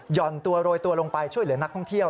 ่อนตัวโรยตัวลงไปช่วยเหลือนักท่องเที่ยว